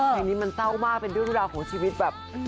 เพลงนี้มันเศร้ามากเป็นเรื่องราวของชีวิตแบบ